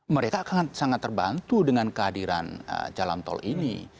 mereka akan sangat terbantu dengan kehadiran jalan tol ini